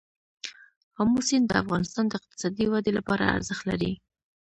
آمو سیند د افغانستان د اقتصادي ودې لپاره ارزښت لري.